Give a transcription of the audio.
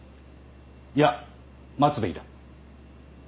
いや待つべきだ。